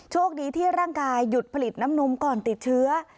โชคดีที่ร่างกายหยุดผลิตน้ำนมก่อนติดเชื้อ